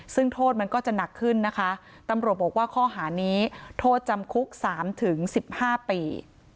ซึ่งโทษมันก็จะหนักขึ้นนะคะตำรวจบอกว่าข้อหานี้โทษจำคุก๓๑๕ปี